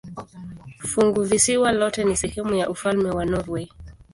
Funguvisiwa lote ni sehemu ya ufalme wa Norwei.